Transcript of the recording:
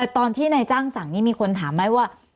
ตอนที่นายจ้างสั่งนี่มีคนถามไหมว่า